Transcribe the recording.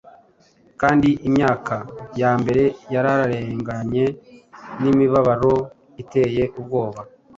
Kandi Imyaka yambere yararenganye, N'imibabaro iteye ubwoba.